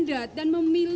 dari pimpinan yang dikenal